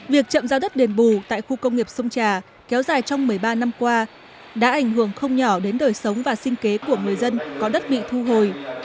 việc chậm giao đất đền bù tại khu công nghiệp sông trà kéo dài trong một mươi ba năm qua đã ảnh hưởng không nhỏ đến đời sống và sinh kế của người dân có đất bị thu hồi